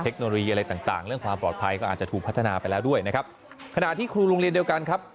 เทคโนโลยีอะไรต่างเรื่องความปลอดภัยก็อาจจะถูกพัฒนาไปแล้วด้วยนะครับ